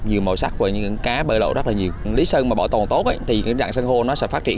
nhiều màu sắc và những cá bơi lộ rất là nhiều lý sơn mà bảo tồn tốt thì dạng san hô nó sẽ phát triển